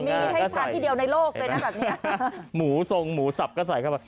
มีให้ทานที่เดียวในโลกเลยนะแบบเนี้ยหมูทรงหมูสับก็ใส่เข้าไป